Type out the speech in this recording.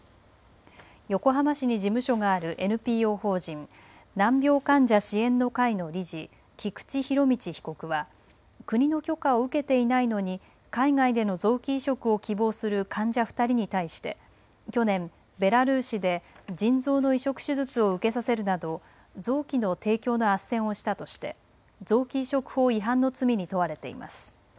横浜市に事務所があるＮＰＯ法人、難病患者支援の会の理事、菊池仁達被告は国の許可を受けていないのに海外での臓器移植を希望する患者２人に対して去年、ベラルーシで腎臓の移植手術を受けさせるなど臓器の提供のあっせんをしたとして臓器移植法違反の罪に問われています。